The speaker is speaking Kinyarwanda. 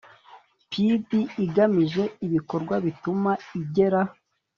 pdi igamije ibikorwa bituma igera